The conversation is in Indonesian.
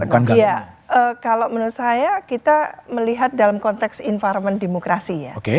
iya kalau menurut saya kita melihat dalam konteks environment demokrasi ya